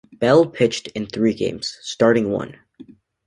Bell pitched in three games, starting one.